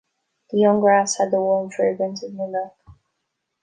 The young grass had the warm fragrance of new milk.